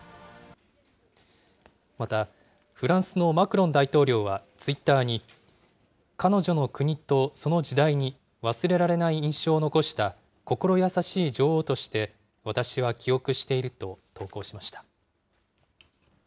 また、フランスのマクロン大統領はツイッターに、彼女の国とその時代に、忘れられない印象を残した心優しい女王として、私は記憶していると投稿しました。